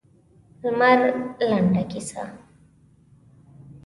لمر لنډه کیسه ده.